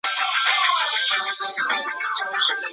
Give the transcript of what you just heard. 内政部地政司是中华民国内政部下属机关。